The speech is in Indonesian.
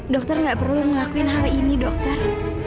dokter gak perlu ngelakuin hal ini dokter